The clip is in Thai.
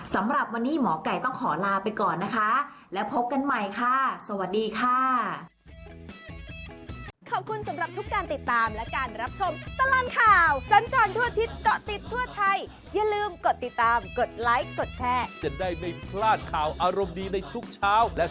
สำหรับวันนี้หมอไก่ต้องขอลาไปก่อนนะคะและพบกันใหม่ค่ะสวัสดีค่ะ